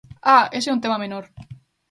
¡Ah!, ese é un tema menor.